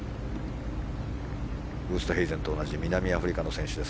ウーストヘイゼンと同じ南アフリカの選手です。